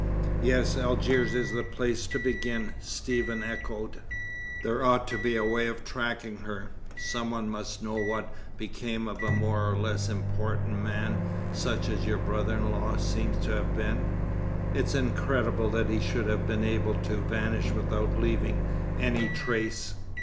"Yes, Algiers is the place to begin," Stephen echoed. "There ought to be a way of tracking her. Some one must know what became of a more or less important man such as your brother in law seems to have been. It's incredible that he should have been able to vanish without leaving any trace."